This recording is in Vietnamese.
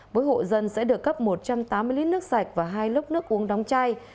mỗi hộ dân sẽ được cấp một trăm tám mươi lít nước sạch và hai lốc nước uống đóng chai